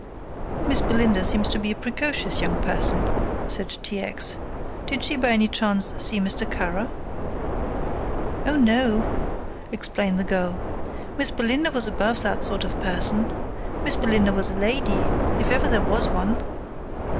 "Miss Belinda seems to be a precocious young person," said T. X. "Did she by any chance see Mr. Kara?" "Oh, no," explained the girl. "Miss Belinda was above that sort of person. Miss Belinda was a lady, if ever there was one."